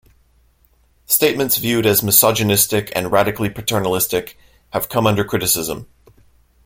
Statements viewed as misogynistic and radically paternalistic have come under criticism.